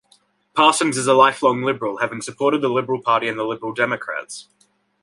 Parsons is a lifelong Liberal, having supported the Liberal Party and the Liberal Democrats.